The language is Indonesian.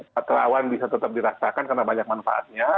pak terawan bisa tetap dirasakan karena banyak manfaatnya